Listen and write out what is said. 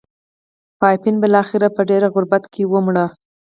پاپین بلاخره په ډېر غربت کې ومړ.